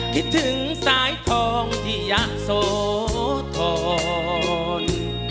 คิดถึงสายทองที่ยะโสธร